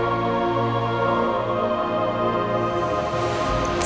terima kasih ya mau maafin elsa